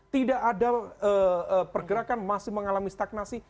tidak ada pergerakan masih mengalami stagnasi